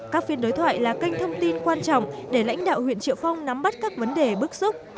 các phiên đối thoại là kênh thông tin quan trọng để lãnh đạo huyện triệu phong nắm bắt các vấn đề bức xúc